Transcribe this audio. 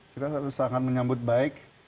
kita sangat menyambut baik